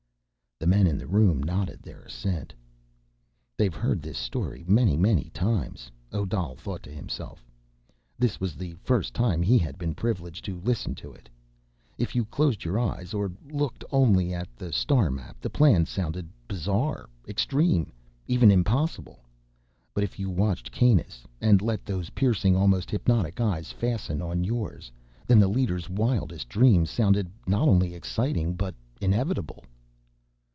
The men in the room nodded their assent. They've heard this story many, many times, Odal thought to himself. This was the first time he had been privileged to listen to it. If you closed your eyes, or looked only at the star map, the plan sounded bizarre, extreme, even impossible. But, if you watched Kanus, and let those piercing, almost hypnotic eyes fasten on yours, then the leader's wildest dreams sounded not only exciting, but inevitable.